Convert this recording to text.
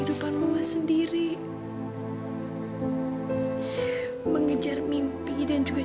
dialah langsung dia dieses dong